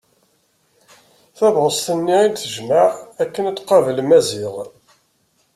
Tabɣest-nni i d-tejmeɛ akken ad tqabel Maziɣ.